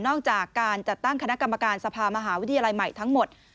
จากการจัดตั้งคณะกรรมการสภามหาวิทยาลัยใหม่ทั้งหมด